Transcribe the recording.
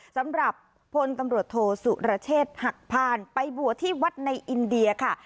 สำหรับพลตำรวจโทสุรเชษฐ์หักพานไปบวชที่วัดในอินเดียค่ะ